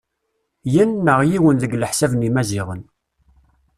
yen neɣ yiwen deg leḥsab n yimaziɣen.